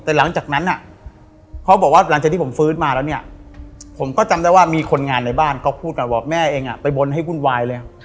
แต่หลังจากนั้นเขาบอกว่าหลังจากที่ผมฟื้นมาแล้วเนี่ยผมก็จำได้ว่ามีคนงานในบ้านเขาพูดมาบอกแม่เองไปบนให้วุ่นวายเลย